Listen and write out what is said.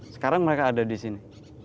sekarang mereka ada di sini